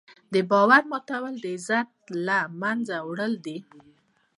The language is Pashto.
د باور ماتول د عزت له منځه وړل دي.